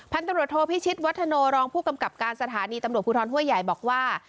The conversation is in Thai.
ตำรวจโทพิชิตวัฒโนรองผู้กำกับการสถานีตำรวจภูทรห้วยใหญ่บอกว่า